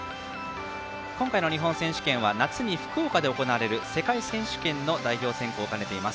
今回の日本選手権は夏に福岡で行われる世界選手権の代表選考を兼ねています。